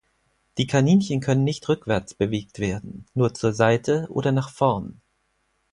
Die Kaninchen können nicht rückwärts bewegt werden, nur zur Seite oder nach vorn.